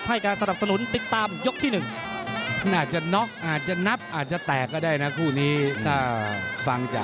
ให้กาสรรพสนุนติดตามยกที่หนึ่ง